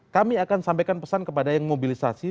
kami akan sampaikan pesan kepada yang mobilisasi